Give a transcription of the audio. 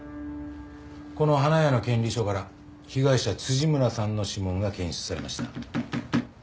この花屋の権利書から被害者村さんの指紋が検出されました。